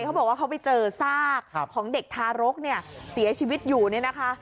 เขาบอกว่าเขาไปเจอซากของเด็กทารกเนี่ยเสียชีวิตอยู่เนี่ยนะคะ